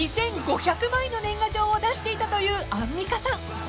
［２，５００枚の年賀状を出していたというアンミカさん］